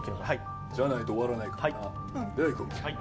じゃないと終わらないからな。